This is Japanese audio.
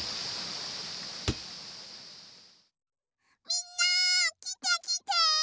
みんなきてきて！